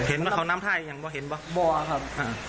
เห็นว่าเขานำไทยอย่างบ้างเห็นบ้างบ่าครับอ่า